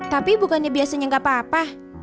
tapi bukannya biasanya gak apa apa